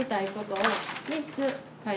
はい。